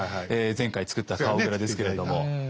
前回作った顔グラですけれども。